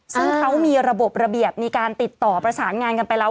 ซึ่งเขามีระบบระเบียบมีการติดต่อประสานงานกันไปแล้ว